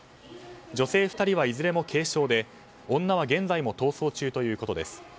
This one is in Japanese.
女性２人はいずれも軽傷で女は現在も逃走中ということです。